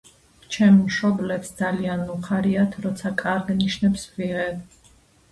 ჩემ მშობლებს ძალიან უხარიათ როცა კარგ ნიშნებს ვიღებ